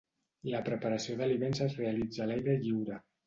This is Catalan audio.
La preparació d'aliments es realitza a l'aire lliure.